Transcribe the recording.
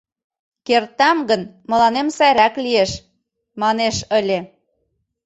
Кертам гын, мыланем сайрак лиеш, манеш ыле.